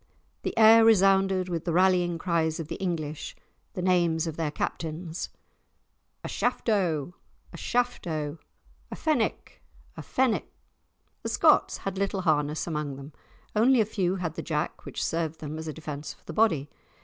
The air resounded with the rallying cries of the English, the names of their captains, "A Shaftoe! A Shaftoe!" "A Fenwick! A Fenwick!" The Scots had little harness among them, only a few had the jack which served them as a defence for the body.